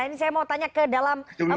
ini saya mau tanya ke dalam persidangannya nih